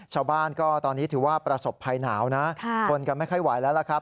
ชาวบ้านก็ตอนนี้ถือว่าประสบภัยหนาวนะทนกันไม่ค่อยไหวแล้วล่ะครับ